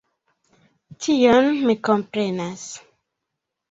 Tion mi komprenas.